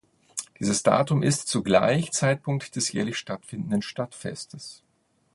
Dieses Datum ist zugleich Zeitpunkt des jährlich stattfindenden Stadtfestes.